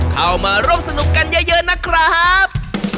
เข้ามาร่วมสนุกกันเยอะนะครับ